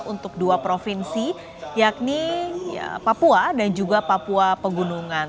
untuk dua provinsi yakni papua dan juga papua pegunungan